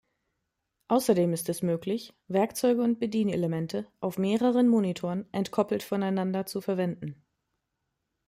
Außerdem ist es möglich, Werkzeuge und Bedienelemente auf mehreren Monitoren entkoppelt voneinander zu verwenden.